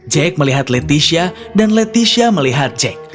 jack melihat leticia dan leticia melihat jack